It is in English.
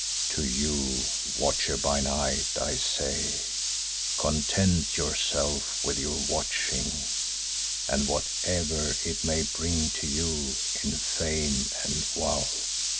"To you, Watcher by Night, I say, 'Content yourself with your watching and whatever it may bring to you in fame and wealth.